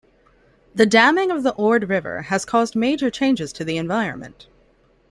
The damming of the Ord River has caused major changes to the environment.